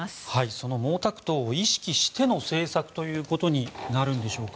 その毛沢東を意識しての政策ということになるんでしょうか。